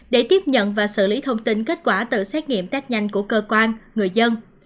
để tiếp nhận và xử lý thông tin kết quả tự xét nghiệm test nhanh của cơ quan người dân